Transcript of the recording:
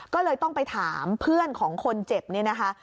ก็เลยต้องไปถามเพื่อนของคนเจ็บเนี่ยนะคะ